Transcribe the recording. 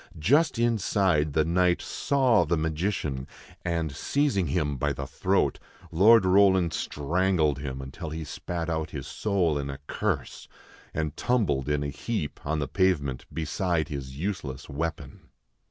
Just inside the Knight saw the magician; and, seizing him by the throat, Lord Roland strangled him until he spat out his soul in a curse, and tumbled in a heap on the pavement beside his useless weapon.